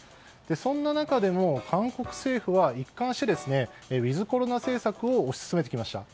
そんな中でも韓国政府は一貫してウィズコロナ政策を推し進めてきました。